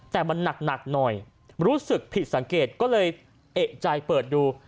แต่มันหนักหน่อยรู้สึกผิดสังเกตก็เลยเอกใจเปิดดู